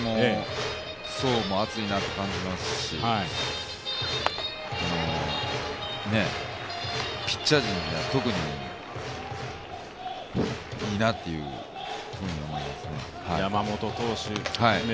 層も厚いなと感じますし、ピッチャー陣も特にいいなという感じがしますね。